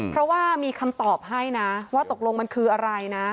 เพราะว่ามีคำตอบให้นะว่าตกลงมันคืออะไรนะ